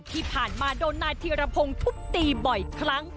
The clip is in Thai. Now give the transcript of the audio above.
ที่ผ่านมาโดนนายธีรพงศ์ทุบตีบ่อยครั้ง